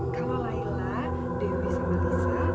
kalau layla dewi sama lisa